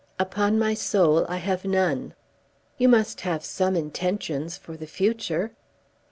"Upon my soul I have none." "You must have some intentions for the future?"